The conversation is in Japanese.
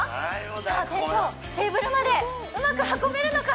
さあ店長、テーブルまでうまく運べるのか。